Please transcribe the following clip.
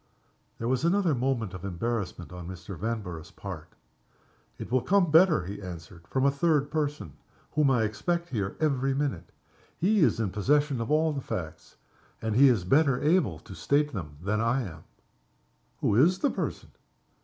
There was another moment of embarrassment on Mr. Vanborough's part. "It will come better," he answered, "from a third person, whom I expect here every minute. He is in possession of all the facts and he is better able to state them than I am." "Who is the person?"